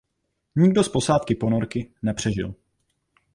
Nikdo z posádky ponorky nepřežil.